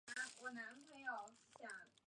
年幼的他是从孤儿院中被收养而来。